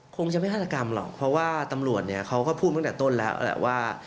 คงจะไม่ฆาตกรรมหรอกเพราะว่าตำรวจเนี่ยเขาก็พูดตั้งแต่ต้นแล้วแหละว่า